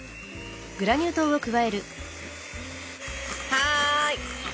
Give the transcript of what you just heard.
はい。